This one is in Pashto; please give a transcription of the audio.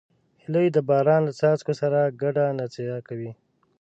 هیلۍ د باران له څاڅکو سره ګډه نڅا کوي